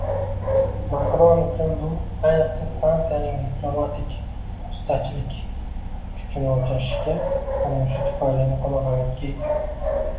Makron uchun bu, ayniqsa, Fransiyaning diplomatik vositachilik kuchini oshirishga urinishi tufayli muhim ahamiyatga ega